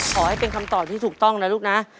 ขอให้เป็นคำตอบที่ถูกต้องนะลูกนะ